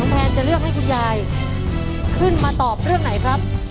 แพนจะเลือกให้คุณยายขึ้นมาตอบเรื่องไหนครับ